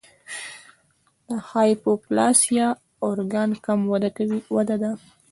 د هایپوپلاسیا د ارګان کم وده ده.